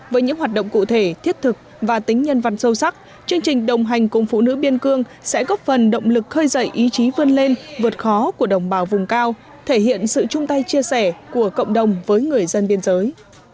với những hoạt động cụ thể thiết thực và tính nhân văn sâu sắc chương trình đồng hành cùng phụ nữ biên cương sẽ góp phần động lực khơi dậy ý chí vươn lên vượt khó của đồng bào vùng cao thể hiện sự chung tay chia sẻ của cộng đồng với người dân biên giới